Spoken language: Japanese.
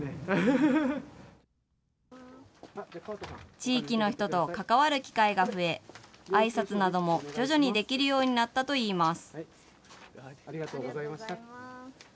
地域の人と関わる機会が増え、あいさつなども徐々にできるようになったといいます。